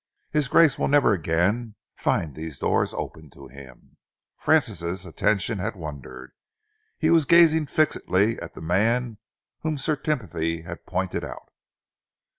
His grace will never again find these doors open to him." Francis' attention had wandered. He was gazing fixedly at the man whom Sir Timothy had pointed out.